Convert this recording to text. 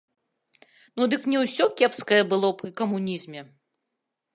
Ну дык не ўсё кепскае было пры камунізме!